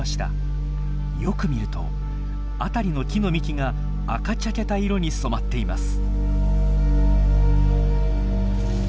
よく見ると辺りの木の幹が赤茶けた色に染まっています。